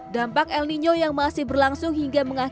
dampak el nino yang masih berlangsung hingga mengakibatkan